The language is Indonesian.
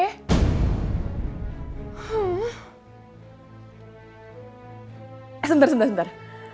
eh sebentar sebentar sebentar